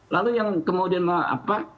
lalu yang kemudian apa